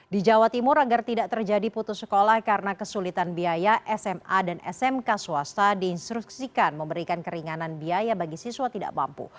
di jawa timur agar tidak terjadi putus sekolah karena kesulitan biaya sma dan smk swasta diinstruksikan memberikan keringanan biaya bagi siswa tidak mampu